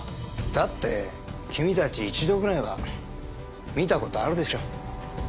だって君たち一度ぐらいは見たことあるでしょ？